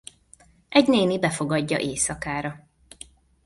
Egy néni befogadja éjszakára.